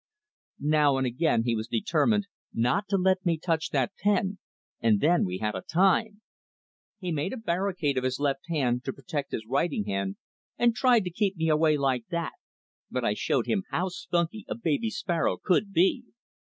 Now and again he was determined not to let me touch that pen, and then we had a time. He made a barricade of his left hand to protect his writing hand, and tried to keep me away like that, but I showed him how spunky a baby sparrow could be.